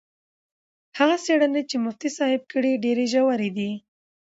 هغه څېړنې چې مفتي صاحب کړي ډېرې ژورې دي.